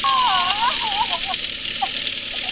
کارپوهان به په ټولنه کي عدالت تامین کړي.